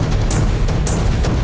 kita cari tau